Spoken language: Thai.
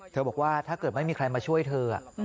บอกว่าถ้าเกิดไม่มีใครมาช่วยเธอ